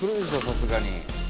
さすがに。